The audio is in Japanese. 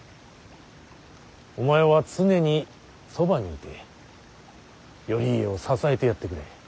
お前は常にそばにいて頼家を支えてやってくれ。